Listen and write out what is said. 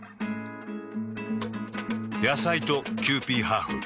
野菜とキユーピーハーフ。